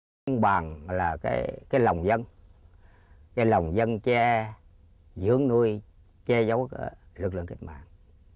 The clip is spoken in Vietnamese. nói bằng là cái lòng dân cái lòng dân che dưỡng nuôi che giấu lực lượng kịch mạng